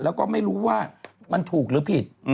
แล้วก็ไม่รู้ว่ามันถูกหรือผิด